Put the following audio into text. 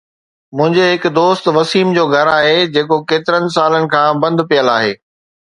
منهنجي هڪ دوست وسيم جو گهر آهي، جيڪو ڪيترن سالن کان بند پيل آهي.